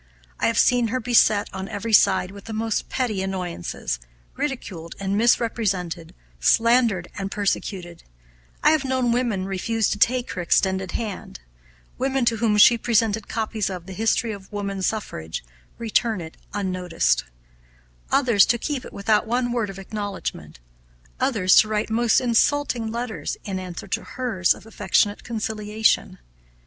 I have seen her beset on every side with the most petty annoyances, ridiculed and misrepresented, slandered and persecuted; I have known women refuse to take her extended hand; women to whom she presented copies of "The History of Woman Suffrage," return it unnoticed; others to keep it without one word of acknowledgment; others to write most insulting letters in answer to hers of affectionate conciliation.